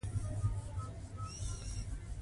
د افغانستان واسکټونه ښکلي دي